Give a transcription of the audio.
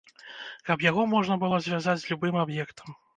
Каб яго можна было звязаць з любым аб'ектам.